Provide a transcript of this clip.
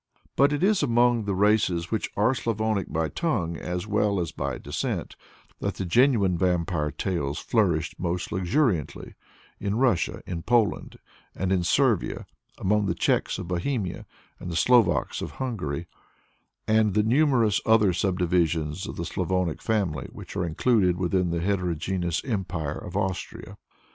But it is among the races which are Slavonic by tongue as well as by descent, that the genuine vampire tales flourish most luxuriantly: in Russia, in Poland, and in Servia among the Czekhs of Bohemia, and the Slovaks of Hungary, and the numerous other subdivisions of the Slavonic family which are included within the heterogeneous empire of Austria.